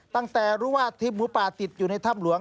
ตั้งแต่รู้ว่าทีมหมูป่าติดอยู่ในถ้ำหลวง